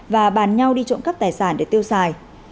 và bàn nhau đi trộm cắp tài sản để tiêu xài